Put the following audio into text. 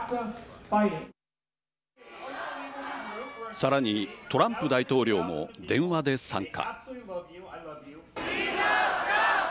さらにトランプ大統領も電話で参加。